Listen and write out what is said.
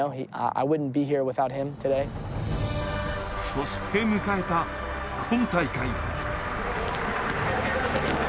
そして迎えた今大会。